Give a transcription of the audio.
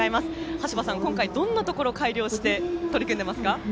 はしばさん、今回どんなところを改良して取り組んでいますか？